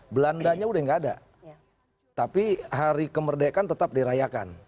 belandanya sudah tidak ada tapi hari kemerdekaan tetap dirayakan